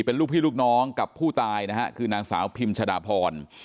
เป็นลูกพี่ลูกน้องกับผู้ตายนะฮะคือนางสาวพิมชดาพร